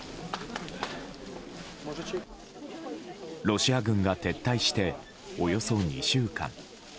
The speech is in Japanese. ロシア軍が撤退しておよそ２週間。